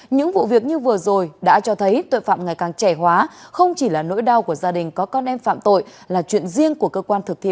những vụ việc như vừa rồi đã cho thấy tội phạm ngày càng trẻ hóa không chỉ là nỗi đau của gia đình có con em phạm tội là chuyện riêng của cơ quan thực thi